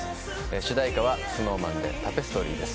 主題歌はＳｎｏｗＭａｎで「タペストリー」です